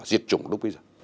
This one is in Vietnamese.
diệt chủng lúc bây giờ